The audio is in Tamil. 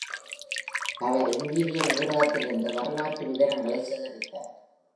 அவர் இம்பீரியல் நூலகத்திலிருந்து வரலாற்று விவரங்களை சேகரித்தார்.